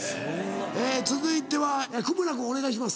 続いては玖村君お願いします。